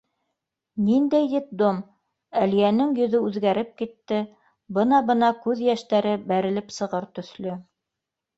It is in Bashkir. Ниндәй детдом? — Әлиәнең йөҙө үҙгәреп китте, бына-бына күҙ йәштәре бәрелеп сығыр төҫлө.